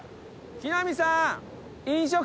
木南さん！